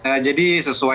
ya jadi sesuai